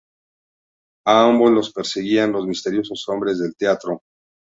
A ambos los perseguían los misteriosos hombres del teatro.